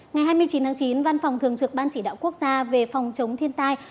ngày hai mươi chín tháng chín văn phòng thường trực ban chỉ đạo quốc gia về phòng chống thiên tai